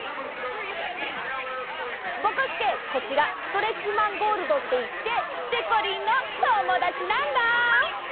ぼこすけこちらストレッチマンゴールドっていってでこりんのともだちなんだ。